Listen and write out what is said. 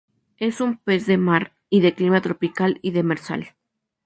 Es un pez de Mar y, de clima tropical y demersal.